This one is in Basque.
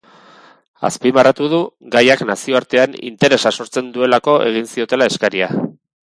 Azpimarratu du, gaiak nazioartean interesa sortzen duelako egin ziotela eskaria.